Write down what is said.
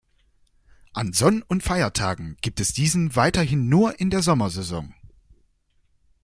An Sonn- und Feiertagen gibt es diesen weiterhin nur in der Sommersaison.